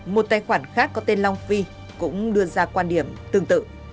một tài khoản khác có tên long phi cũng đưa ra quan điểm tương tự